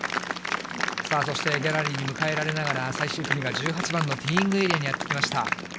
そしてギャラリーに迎えられながら、最終組が、１８番のティーイングエリアにやって来ました。